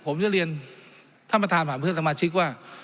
ผมจะเรียนท่านประธานผ่านเพื่อนสมาชิกว่า